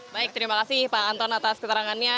baik terima kasih pak anton atas keterangannya